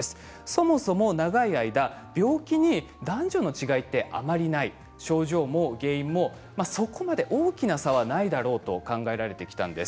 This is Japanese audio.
そもそも長い間病気に男女の違いってあまりない症状も原因もそこまで大きな差はないだろうと考えられてきたんです。